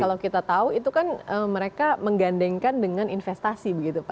kalau kita tahu itu kan mereka menggandengkan dengan investasi begitu pak